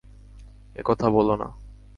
একথা বোলো না।